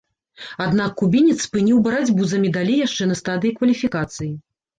Аднак кубінец спыніў барацьбу за медалі яшчэ на стадыі кваліфікацыі.